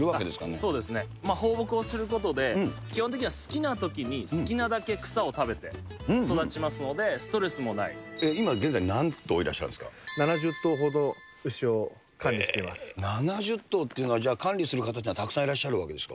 そうですね、放牧をすることで、基本的に好きなときに好きなだけ草を食べて育ちますので、ストレ現在今、７０頭ほど牛を管理していま７０頭っていうのは、じゃあ、管理する方というのはたくさんいらっしゃるわけですか？